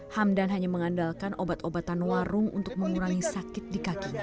hamdan hanya mengandalkan obat obatan warung untuk mengurangi sakit di kakinya